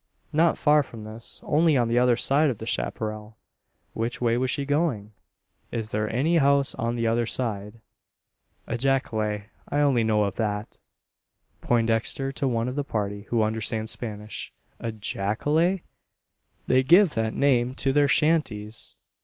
"Not far from this; only on the other side of the chapparal." "Which way was she going? Is there any house on the other side?" "A jacale. I only know of that." Poindexter to one of the party, who understands Spanish: "A jacale?" "They give that name to their shanties."